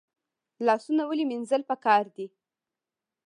لاسونه ولې مینځل پکار دي؟